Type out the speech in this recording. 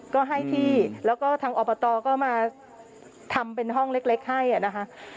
ก็ให้ที่แล้วก็ทางอบตก็มาทำเป็นห้องเล็กให้นะคะ